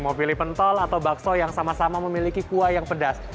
mau pilih pentol atau bakso yang sama sama memiliki kuah yang pedas